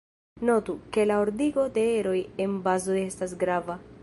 Notu, ke la ordigo de eroj en bazo estas grava.